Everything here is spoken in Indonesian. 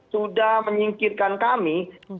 sudah menyingkirkan kami